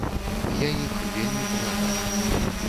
Я іх вельмі паважаю.